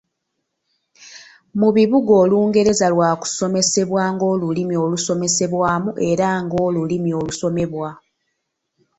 Mu bibuga Olungereza lwa kusomesebwa ng'olulimi olusomesebwamu era ng'olulimi olusomebwa.